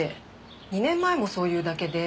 ２年前もそう言うだけで。